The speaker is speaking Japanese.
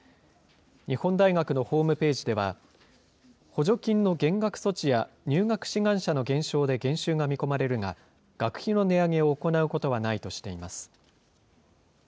日本大学のホームページでは、補助金の減額措置や入学志願者の減少で減収が見込まれるが、学費の値上げを行うことはないとしています。